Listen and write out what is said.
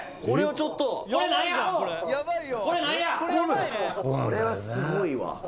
「これはすごいわ」